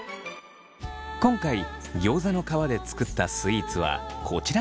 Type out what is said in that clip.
今回ギョーザの皮で作ったスイーツはこちらの２品。